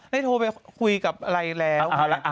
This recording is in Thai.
แล้วนี่โทรไปคุยกับอะไรแล้ว